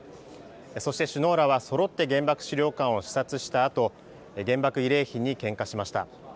そして首脳らはそろって原爆資料館を視察したあと原爆慰霊碑に献花しました。